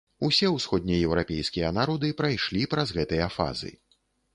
Усе усходнееўрапейскія народы прайшлі праз гэтыя фазы.